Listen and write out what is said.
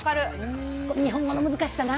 日本語の難しさな。